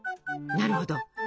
なるほど。